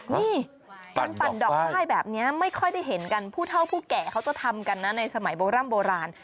นี่การปั่นดอกไม้แบบนี้ไม่ค่อยได้เห็นกันผู้เท่าผู้แก่เขาจะทำกันนะในสมัยโบร่ำโบราณ